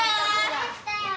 できたよ！